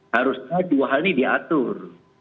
harusnya dua hal ini diatur